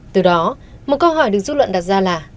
từ đó một câu hỏi được dư luận đặt ra là